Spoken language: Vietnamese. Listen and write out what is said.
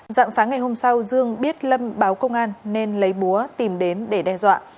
dạng sáng ngày hôm sau dương biết lâm báo công an nên lấy búa tìm đến để đe dọa